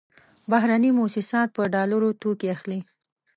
بهرني موسسات په ډالرو توکې اخلي.